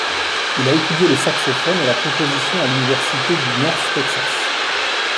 Il a étudié le saxophone et la composition à l'Universite ddu North Texas.